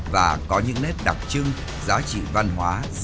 và có những nét đặc trưng giá trị văn hóa